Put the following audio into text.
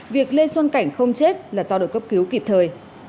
việc lê xuân cảnh không chết là do được cấp cứu kịp thời